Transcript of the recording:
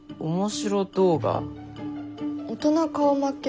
「大人顔負け！